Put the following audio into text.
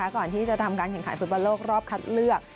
ก่อนที่จะทำการแข่งขันฟุตบอลโลกรอบคัดเลือก